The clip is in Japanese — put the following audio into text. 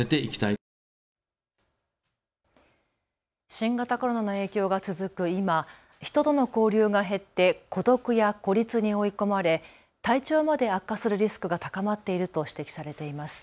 新型コロナの影響が続く今、人との交流が減って孤独や孤立に追い込まれ、体調まで悪化するリスクが高まっていると指摘されています。